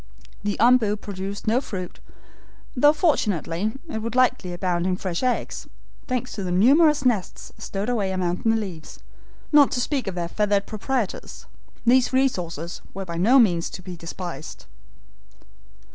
The OMBU produced no fruit, though fortunately, it would likely abound in fresh eggs, thanks to the numerous nests stowed away among the leaves, not to speak of their feathered proprietors. These resources were by no means to be despised.